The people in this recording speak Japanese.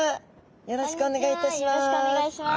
よろしくお願いします。